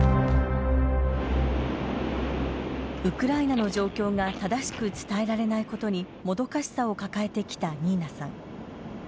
ウクライナの状況が正しく伝えられないことにもどかしさを抱えてきたニーナさん。